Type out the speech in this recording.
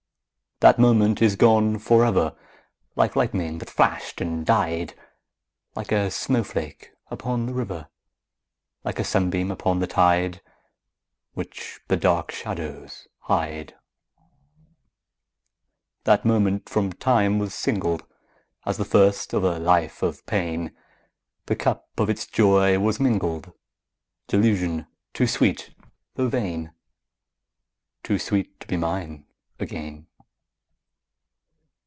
_5 2. That moment is gone for ever, Like lightning that flashed and died Like a snowflake upon the river Like a sunbeam upon the tide, Which the dark shadows hide. _10 3. That moment from time was singled As the first of a life of pain; The cup of its joy was mingled Delusion too sweet though vain! Too sweet to be mine again.